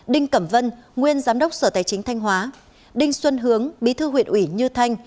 đinh cẩm vân nguyên giám đốc sở tài chính thanh hóa đinh xuân hướng bí thư huyện ủy như thanh